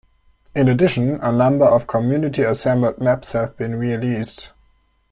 In addition, a number of community assembled maps have been released.